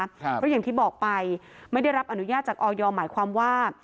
เพราะอย่างที่บอกไปไม่ได้รับอนุญาตจากออยหมายความว่า